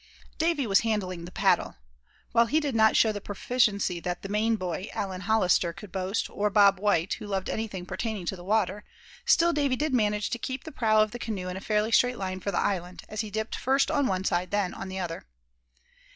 Davy was handling the paddle. While he did not show the proficiency that the Maine boy, Allan Hollister, could boast, or Bob White, who loved everything pertaining to the water, still Davy did manage to keep the prow of the canoe in a fairly straight line for the island, as he dipped first on one side and then on the other.